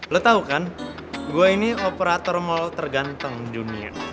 lo tau kan gue ini operator mall terganteng junior